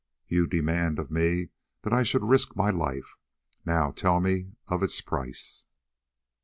You demand of me that I should risk my life; now tell me of its price."